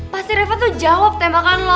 pasti revo tuh jawab tembakan lo